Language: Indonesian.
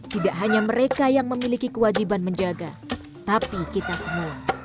tidak hanya mereka yang memiliki kewajiban menjaga tapi kita semua